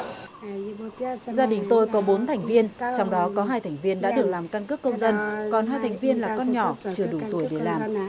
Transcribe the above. gia đình tôi có bốn thành viên trong đó có hai thành viên đã được làm căn cước công dân còn hai thành viên là con nhỏ chưa đủ tuổi để làm